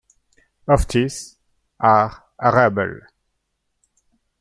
Of this, are arable.